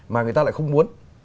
mà người ta lại không muốn